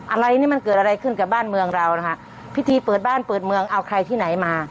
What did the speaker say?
อะไรนี่มันเกิดอะไรขึ้นกับบ้านเมืองเรานะคะพิธีเปิดบ้านเปิดเมืองเอาใครที่ไหนมา